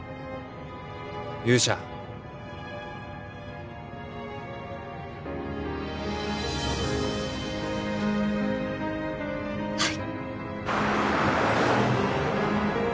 勇者はい！